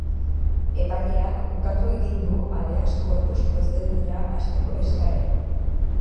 Epaileak ukatu egin du habeas corpus prozedura hasteko eskaera.